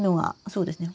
そうですね。